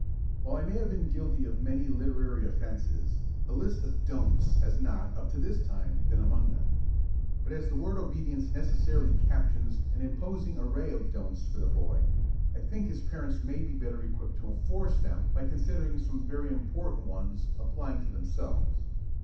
While I may have been guilty of many literary offences, a list of "Don'ts" has not, up to this time, been among them. But as the word obedience necessarily captions an imposing array of "Don'ts" for the boy, I think his parents may be better equipped to enforce them by considering some very important ones applying to themselves.